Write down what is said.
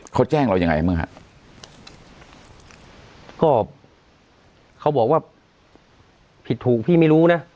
ก็เธอบอกว่าผิดถูกพี่ไม่รู้นะ